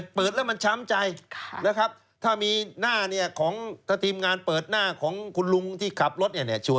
เปิดแล้วมันช้ำใจนะครับถ้ามีหน้าเนี่ยของถ้าทีมงานเปิดหน้าของคุณลุงที่ขับรถเนี่ย